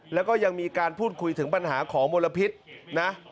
แล้วก็ยังมีการพูดคุยถึงปัญหาของมลพิษนะ